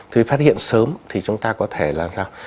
thì phát hiện sớm thì chúng ta có thể làm sao